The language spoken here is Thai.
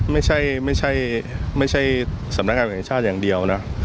ไม่ใช่ไม่ใช่สำนักงานแห่งชาติอย่างเดียวนะ